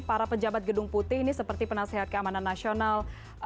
para pejabat gedung putih ini seperti penasehat keamanan nasional